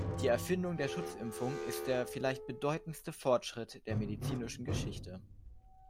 Die Erfindung der Schutzimpfung ist der vielleicht bedeutendste Fortschritt der medizinischen Geschichte.